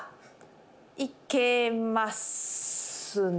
行けますね。